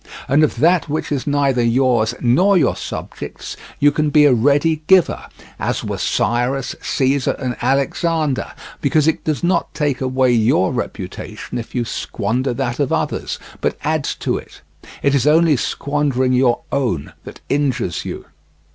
And of that which is neither yours nor your subjects' you can be a ready giver, as were Cyrus, Caesar, and Alexander; because it does not take away your reputation if you squander that of others, but adds to it; it is only squandering your own that injures you.